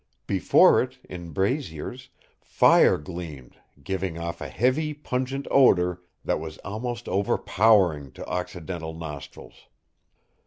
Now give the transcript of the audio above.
Before it, in braziers, fire gleamed, giving off a heavy, pungent odor that was almost overpowering to Occidental nostrils.